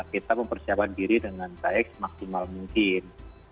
kita mempersiapkan diri dengan baik semaksimal mungkin